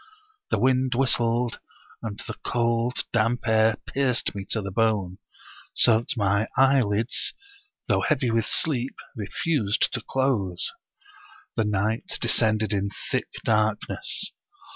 The wind whistled, and the cold, damp air pierced me to the bone, so that ray eyelids, though heavy with sleep, refused to close. The night descended in thick darkness.